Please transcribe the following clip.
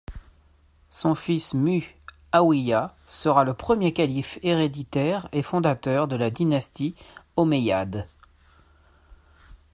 Son fils Mu`âwîya sera le premier calife héréditaire et fondateur de la dynastie Omeyyade.